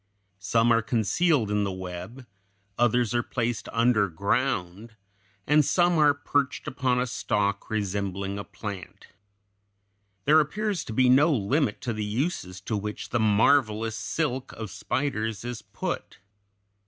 Some are concealed in the web; others are placed underground; and some are perched upon a stalk resembling a plant. There appears to be no limit to the uses to which the marvelous silk of spiders is put.